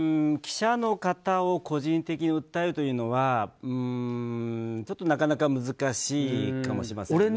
記者の方を個人的に訴えるというのはちょっとなかなか難しいかもしれません。